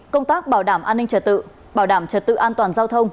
công tác bảo đảm an ninh trật tự bảo đảm trật tự an toàn giao thông